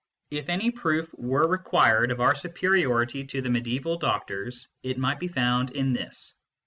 If any proof were required of our superiority to the mediaeval doctors, it might be found in this.